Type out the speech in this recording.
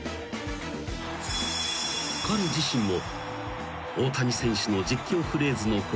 ［彼自身も］